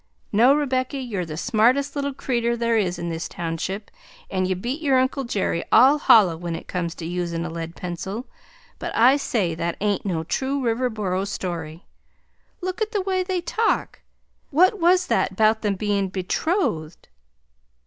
No, Rebecky, you're the smartest little critter there is in this township, and you beat your Uncle Jerry all holler when it comes to usin' a lead pencil, but I say that ain't no true Riverboro story! Look at the way they talk! What was that' bout being BETROTHED'?"